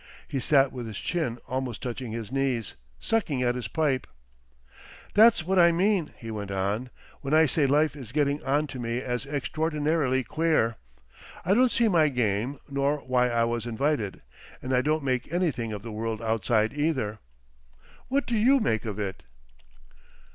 He sat with his chin almost touching his knees, sucking at his pipe. "That's what I mean," he went on, "when I say life is getting on to me as extraordinarily queer, I don't see my game, nor why I was invited. And I don't make anything of the world outside either. What do you make of it?"